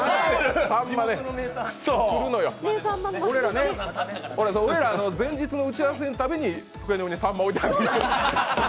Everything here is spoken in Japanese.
俺ら前日の打ち合わせのたびに机にさんま置いてある。